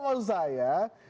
kalau menurut saya